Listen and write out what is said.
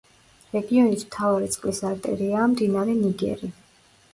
რეგიონის მთავარი წყლის არტერიაა მდინარე ნიგერი.